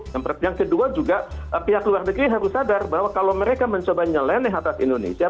yang kedua juga pihak luar negeri harus sadar bahwa kalau mereka mencoba nyeleneh atas indonesia